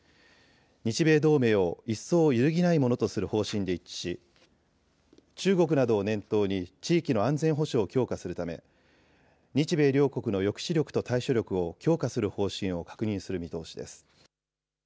日米同盟を一層揺るぎないものとする方針で一致し中国などを念頭に地域の安全保障を強化するため日米両国の抑止力と対処力を強化する方針を確認する見通しです。